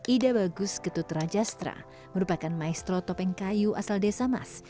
ida bagus ketut rajastra merupakan maestro topeng kayu asal desa mas